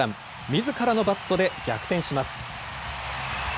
みずからのバットで逆転します。